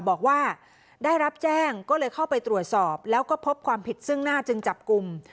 บอกว่าได้รับแจ้งก็เลยเข้าไปตรวจสอบแล้วก็พบความผิดซึ่งหน้าจึงจับกลุ่ม